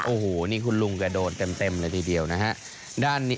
โอ้โหนี่คุณลุงแกโดนเต็มเลยทีเดียวนะฮะ